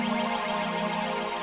oh sekarang sekarang